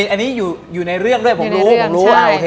อันนี้อยู่ในเรื่องด้วยผมรู้